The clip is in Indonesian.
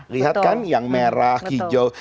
lihat kan yang merah hijau